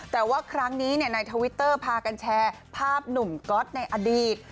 แต่ว่าครั้งนี้ในทวิตเตอร์พากันแชร์ภาพหนุ่มก๊อตในอดีต